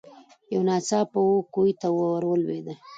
یو ناڅاپه وو کوهي ته ور لوېدلې